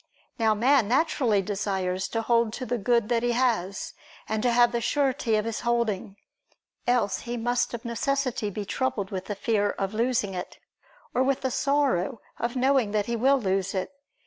Now man naturally desires to hold to the good that he has, and to have the surety of his holding: else he must of necessity be troubled with the fear of losing it, or with the sorrow of knowing that he will lose it.